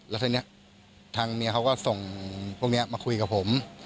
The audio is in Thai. แล้วทั้งนี้เขาก็ส่งพวกนี้มาคุยกับผม